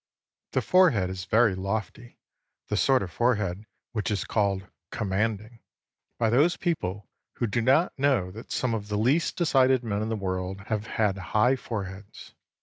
The forehead is very lofty, the sort of forehead which is called 'commanding' by those people who do not know that some of the least decided men in the world have had high foreheads.